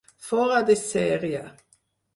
Fora de sèrie.